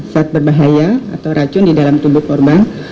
zat berbahaya atau racun di dalam tubuh korban